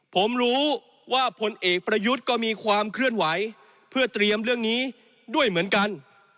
ผมรู้ว่าผลเอกประยุทธ์ก็มีความเคลื่อนไหวเพื่อเตรียมเรื่องนี้ด้วยเหมือนกัน